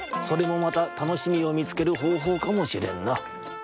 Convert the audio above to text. それもまたたのしみをみつけるほうほうかもしれんな。